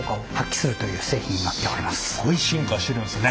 すっごい進化してるんですね。